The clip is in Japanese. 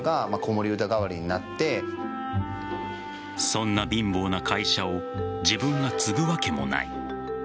そんな貧乏な会社を自分が継ぐわけもない。